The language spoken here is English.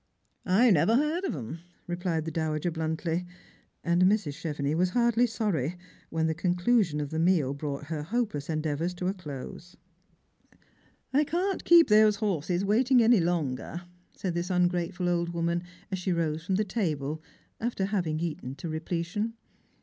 "I never heard of 'em," replied the dowager bluntly; and Mrs. Chevenix was hardly sorry when the conclusion of the meal brought her hopeless endeavours to a close. " I can't keep those horses waiting any longer," said this un grateful old woman, as she rose from the table, after having eaten to repletion.